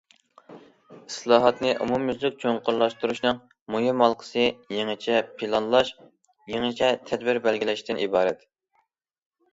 ئىسلاھاتنى ئومۇميۈزلۈك چوڭقۇرلاشتۇرۇشنىڭ مۇھىم ھالقىسى يېڭىچە پىلانلاش، يېڭىچە تەدبىر بەلگىلەشتىن ئىبارەت.